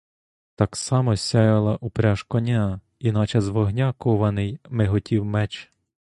Так само сяяла упряж коня і, наче з вогню кований, миготів меч.